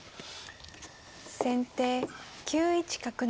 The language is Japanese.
先手９一角成。